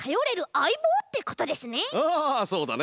ああそうだね！